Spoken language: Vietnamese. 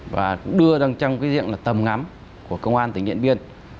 và đưa ra trong cái diện là tầm ngắm của công an tỉnh điện biên